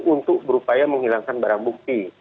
untuk berupaya menghilangkan barang bukti